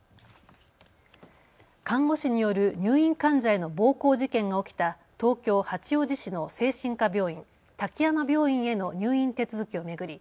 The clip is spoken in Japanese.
看護師による入院患者への暴行事件が起きた東京八王子市の精神科病院、滝山病院への入院手続きを巡り